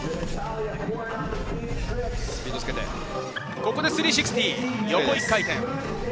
ここで３６０、横１回転。